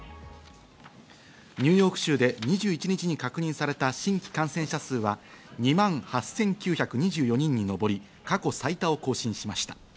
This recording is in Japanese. ニューヨーク州で２１日に確認された新規感染者数は、２万８９２４人に上り過去最多を更新しました。